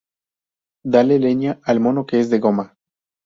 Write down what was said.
Dale leña al mono que es de goma